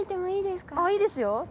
いいですよ。